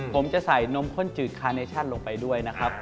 ผมจะใส่นมข้นจืดคาเนชั่นลงไปด้วยนะครับ